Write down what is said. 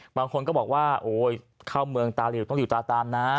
บางคนก็บอกว่าโอ้ยเข้าเมืองตาหลิวต้องหลิวตาตามนะ